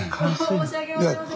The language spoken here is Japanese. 申し訳ございません。